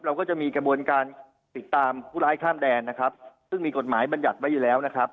เราก็จะมีกระบวนการติดตามผู้ร้ายข้ามแดนนะครับซึ่งมีกฎหมายบรรยัติไว้อยู่แล้วนะครับ